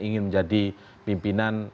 ingin menjadi pimpinan